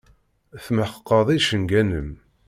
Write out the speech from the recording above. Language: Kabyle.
Tmeḥqeḍ icenga-nnem.